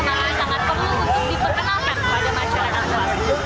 makanya sangat perlu untuk diperkenalkan kepada masyarakat luas